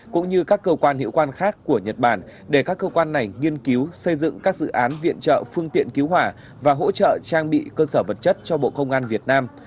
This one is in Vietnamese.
cũng như các cơ quan hiệu quan khác của nhật bản để các cơ quan này nghiên cứu xây dựng các dự án viện trợ phương tiện cứu hỏa và hỗ trợ trang bị cơ sở vật chất cho bộ công an việt nam